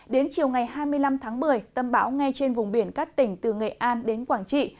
đến chiều ngày hai mươi năm tháng một mươi tâm bão ngay trên vùng biển các tỉnh từ nghệ an đến quảng trị